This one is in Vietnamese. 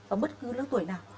và bất cứ lứa tuổi nào